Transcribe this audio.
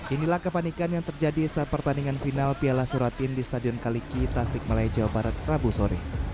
inilah kepanikan yang terjadi saat pertandingan final piala suratin di stadion kaliki tasik malaya jawa barat rabu sore